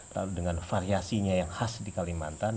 lalu dengan variasinya yang khas di kalimantan